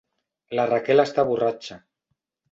La Raquel està borratxa.